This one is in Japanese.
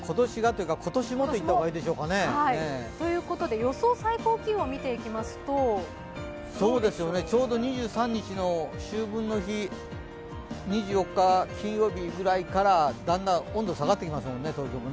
今年もと言った方がいいでしょうかね。ということで、予想最高気温を見ていきますとちょうど２３日の秋分の日２４日金曜日くらいからだんだん温度が下がってきますもんね、東京も。